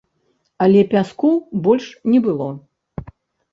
Але пяску больш не было.